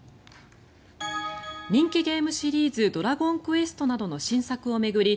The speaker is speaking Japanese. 人気ゲームシリーズ「ドラゴンクエスト」などの新作を巡り